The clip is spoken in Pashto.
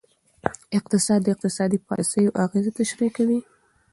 اقتصاد د اقتصادي پالیسیو اغیزه تشریح کوي.